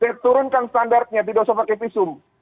saya turunkan standarnya tidak usah pakai visum